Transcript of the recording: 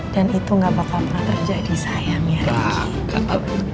dan itu gak bakal pernah terjadi sayang ya riki